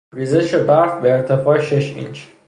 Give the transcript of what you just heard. ریزش برف به ارتفاع شش اینچ